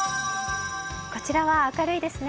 こちらは明るいですね